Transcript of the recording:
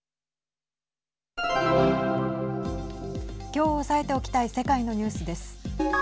きょう押さえておきたい世界のニュースです。